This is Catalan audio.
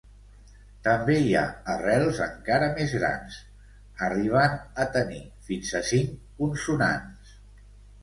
També hi ha arrels encara més grans, arribant a tenir fins a cinc consonants.